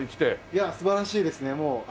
いや素晴らしいですね。